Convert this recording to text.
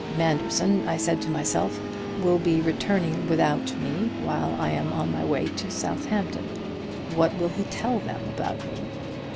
Manderson, I said to myself, will be returning without me while I am on my way to Southampton. What will he tell them about me?